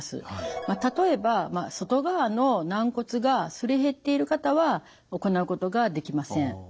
例えば外側の軟骨がすり減っている方は行うことができません。